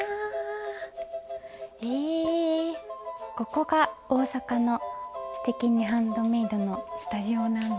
ここが大阪の「すてきにハンドメイド」のスタジオなんだ。